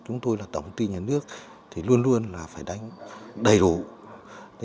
chúng tôi là tổng tiên nhà nước thì luôn luôn là phải đánh đầy đủ